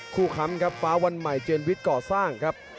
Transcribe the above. ค้ำครับฟ้าวันใหม่เจนวิทย์ก่อสร้างครับ